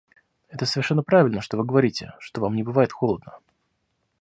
Это совершенно правильно, что вы говорите, что вам не бывает холодно.